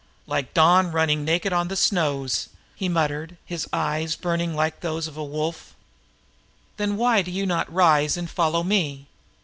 "Like Dawn running naked on the snows," he muttered, his eyes burning like those of a wolf. "Then why do you not rise and follow me?